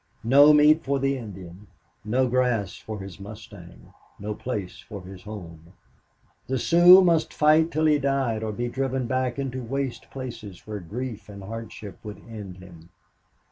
No meat for the Indian no grass for his mustang no place for his home. The Sioux must fight till he died or be driven back into waste places where grief and hardship would end him.